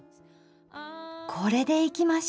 これでいきましょう。